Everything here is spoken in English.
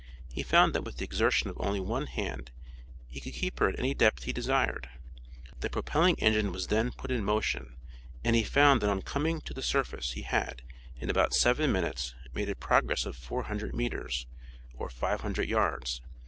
He found that with the exertion of only one hand he could keep her at any depth he desired. The propelling engine was then put in motion, and he found that on coming to the surface he had, in about seven minutes, made a progress of four hundred metres, or five hundred yards.